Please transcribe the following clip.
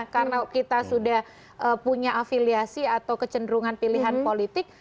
karena kita sudah punya afiliasi atau kecenderungan pilihan politik